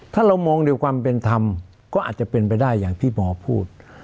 ถ้าเรามองด้วยความเป็นธรรมก็อาจจะเป็นไปได้อย่างที่หมอพูด